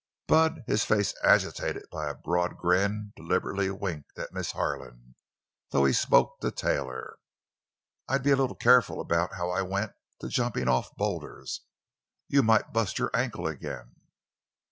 Bud, his face agitated by a broad grin, deliberately winked at Miss Harlan—though he spoke to Taylor. "I'd be a little careful about how I went to jumpin' off boulders—you might bust your ankle again!"